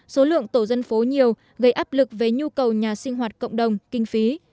số lượng tổ dân phố nhiều gây áp lực về nhu cầu nhà sinh hoạt cộng đồng kinh phí